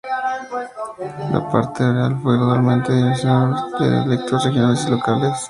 La parte oral fue gradualmente diferenciándose en dialectos regionales y locales.